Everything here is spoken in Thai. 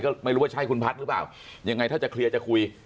ก็ไม่รู้ว่าใช่คุณพัฒน์หรือเปล่ายังไงถ้าจะเคลียร์จะคุย